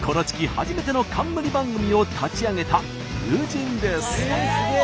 初めての冠番組を立ち上げた友人です。